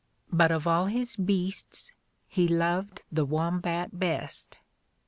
But of all his beasts he loved the wombat best.